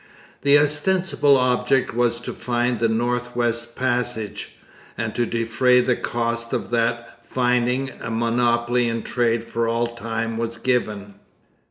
The ostensible object was to find the North West Passage; and to defray the cost of that finding a monopoly in trade for all time was given.